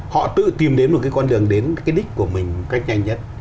họ tự tìm đến một cái con đường đến cái đích của mình một cách nhanh nhất